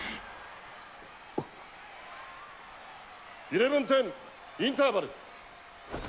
イレブンテンインターバル。